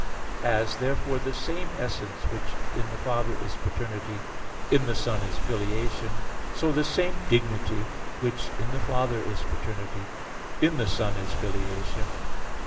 As, therefore, the same essence, which in the Father is paternity, in the Son is filiation, so the same dignity which, in the Father is paternity, in the Son is filiation.